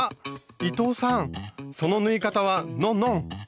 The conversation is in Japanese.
伊藤さんその縫い方はノンノン！